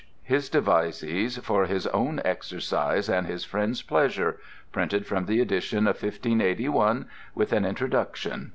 HIS DEVISES, for his owne exercise, and his Friends pleasure. Printed from the edition of 1581, with an introduction.